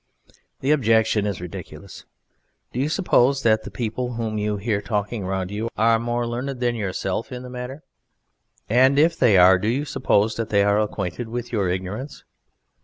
The objection is ridiculous. Do you suppose that the people whom you hear talking around you are more learned than yourself in the matter? And if they are do you suppose that they are acquainted with your ignorance?